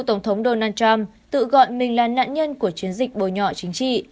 ông trump tự gọi mình là nạn nhân của chiến dịch bồi nhọ chính trị